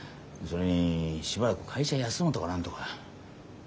それにしばらく会社休むとか何とか。